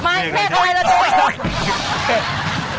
ไม่มีอีกฉัน